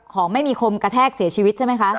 ของไม่มีคมกระแทกเสียชีวิตใช่ไหมคะ